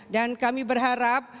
dan kami berharap